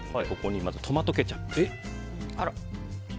まず、トマトケチャップ。